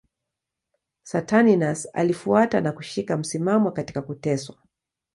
Saturninus alifuata na kushika msimamo katika kuteswa.